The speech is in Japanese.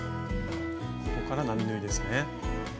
ここから並縫いですね。